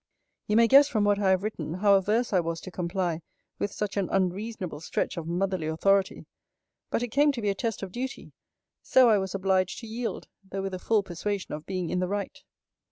You may guess from what I have written, how averse I was to comply with such an unreasonable stretch of motherly authority. But it came to be a test of duty; so I was obliged to yield, though with a full persuasion of being in the right.